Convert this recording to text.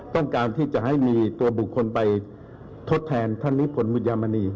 ต้องการที่จะให้มีตัวบุคคลไปทดแทนท่านนิพนธบุญยามณี